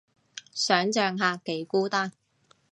想像下幾孤單